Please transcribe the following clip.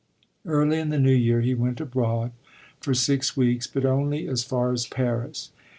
Early in the new year he went abroad for six weeks, but only as far as Paris.